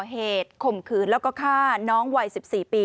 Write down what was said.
ที่ก่อเหตุข่มขืนแล้วก็ฆ่าน้องวัย๑๔ปี